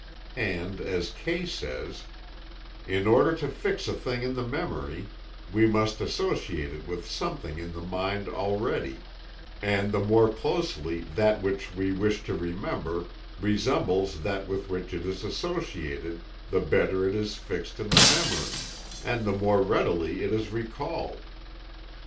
And as Kay says: "In order to fix a thing in the memory, we must associate it with something in the mind already, and the more closely that which we wish to remember resembles that with which it is associated, the better is it fixed in the memory, and the more readily is it recalled.